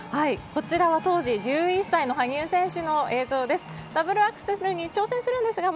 こちらは当時１１歳の羽生選手の映像です。